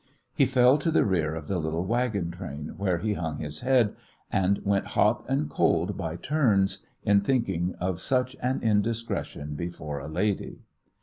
He fell to the rear of the little wagon train, where he hung his head, and went hot and cold by turns in thinking of such an indiscretion before a lady.